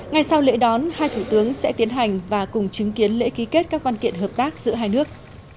ngay sau lễ đón hai thủ tướng sẽ tiến hành và cùng chứng kiến lễ ký kết các văn kiện hợp tác giữa hai nước